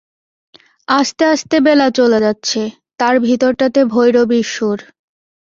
আস্তে আস্তে বেলা চলে যাচ্ছে, তার ভিতরটাতে ভৈরবীর সুর।